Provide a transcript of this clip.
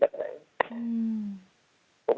เหมือนกัน